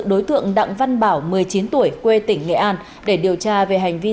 đối tượng đặng văn bảo một mươi chín tuổi quê tỉnh nghệ an để điều tra về hành vi